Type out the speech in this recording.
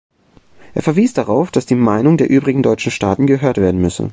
Er verwies darauf, dass die Meinung der übrigen deutschen Staaten gehört werden müsse.